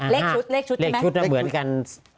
เลขชุดเลขชุดใช่ไหมชุดก็เหมือนกัน